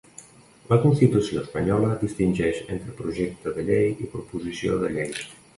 La Constitució espanyola distingeix entre projecte de llei i proposició de llei.